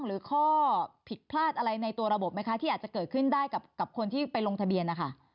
หรือข้อผิดพลาดอะไรในตัวระบบไหมคะที่อาจจะเกิดขึ้นได้กับคนที่ไปลงทะเบียนนะคะ